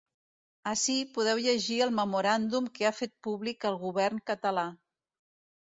Ací podeu llegir el memoràndum que ha fet públic el govern català.